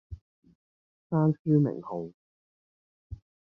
閂書名號